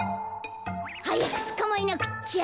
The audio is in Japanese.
はやくつかまえなくっちゃ。